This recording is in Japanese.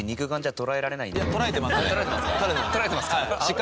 捉えてますか？